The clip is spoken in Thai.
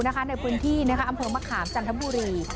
ในพื้นที่อำเภอมะขามจันทบุรี